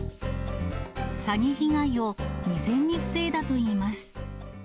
詐欺被害を未然に防いだといいます。